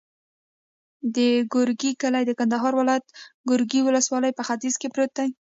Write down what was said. د ګورکي کلی د کندهار ولایت، ګورکي ولسوالي په ختیځ کې پروت دی.